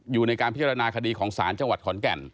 อยู่ในการพิจารณาคดีของศาลจังหวัดขอนแก่น